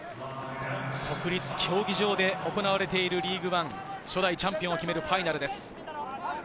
国立競技場で行われているリーグワン、初代チャンピオンを決めるファイナルです。